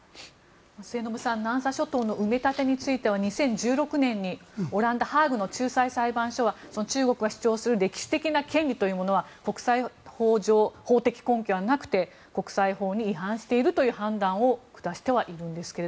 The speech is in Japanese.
末延さん南沙諸島の埋め立てについては２０１６年にオランダ・ハーグの仲裁裁判所は中国が主張する歴史的な権利というものは国際法上法的根拠はなくて国際法に違反しているという判断は下してはいるんですが。